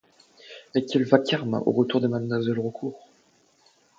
Mais quel vacarme au retour de Mademoiselle Raucourt !